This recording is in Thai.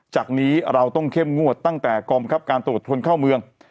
จากนี้เราต้องเข้มงวดตั้งแต่กองบังคับการตรวจคนเข้าเมือง